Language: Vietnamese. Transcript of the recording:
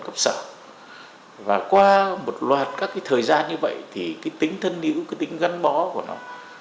cấp xã và qua một loạt các thời gian như vậy thì tính thân hữu tính gắn bò của nó